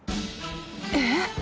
えっ！？